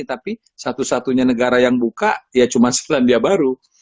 tapi satu satunya negara yang buka ya cuma selandia baru